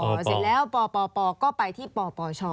พอเสร็จแล้วปปก็ไปที่ปปช